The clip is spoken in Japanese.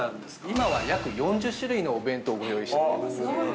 ◆今は、約４０種類のお弁当をご用意しております。